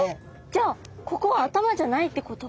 じゃあここは頭じゃないってこと？